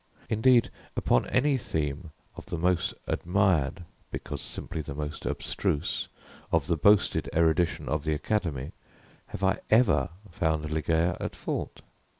Indeed upon any theme of the most admired because simply the most abstruse of the boasted erudition of the Academy, have I ever found Ligeia at fault?